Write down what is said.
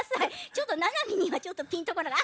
ちょっとななみにはちょっとピンとこない。